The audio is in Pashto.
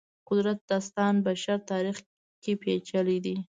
قدرت داستان بشر تاریخ کې پېچلي دی.